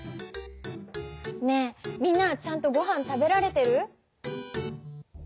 ねえみんなはちゃんとごはん食べられてる？